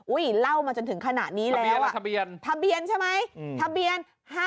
อุ้ยเล่ามาจนถึงขนาดนี้แล้วอ่ะทะเบียนทะเบียนใช่ไหมทะเบียน